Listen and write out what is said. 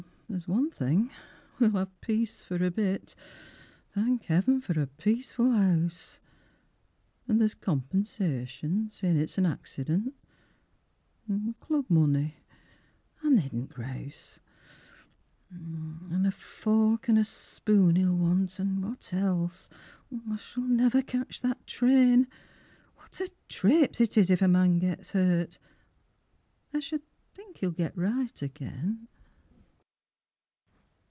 There's one thing, we'll have peace for a bit, Thank Heaven for a peaceful house; An' there's compensation, sin' it's accident, An' club money I nedn't grouse. An' a fork an' a spoon he'll want, an' what else; I s'll never catch that train What a trapse it is if a man gets hurt I s'd think he'll get right again.